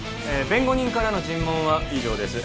弁護人からの尋問は以上です